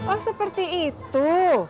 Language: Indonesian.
oh seperti itu